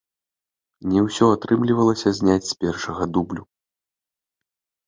Не ўсё атрымлівалася зняць з першага дублю.